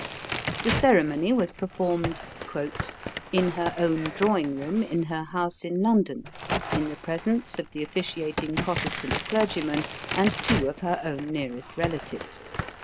The ceremony was performed "in her own drawing room in her house in London, in the presence of the officiating Protestant clergyman and two of her own nearest relatives."